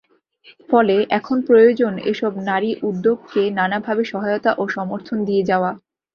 ফলে এখন প্রয়োজন এসব নারী উদ্যোগকে নানাভাবে সহায়তা ও সমর্থন দিয়ে যাওয়া।